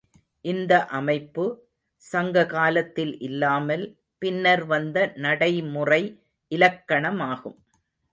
இந்த அமைப்பு, சங்க காலத்தில் இல்லாமல், பின்னர் வந்த நடைமுறை இலக்கணமாகும்.